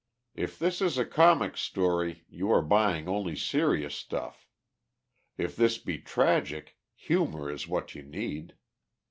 If this is a comic story, you are buying only serious stuff. If this be tragic, humour is what you need.